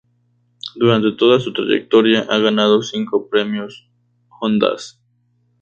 Durante toda su trayectoria ha ganado cinco Premios Ondas.